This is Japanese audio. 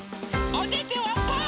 おててはパー！